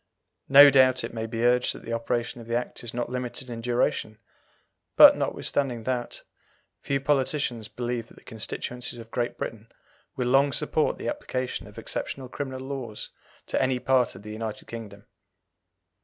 No doubt it may be urged that the operation of the Act is not limited in duration; but, notwithstanding that, few politicians believe that the constituencies of Great Britain will long support the application of exceptional criminal laws to any part of the United Kingdom.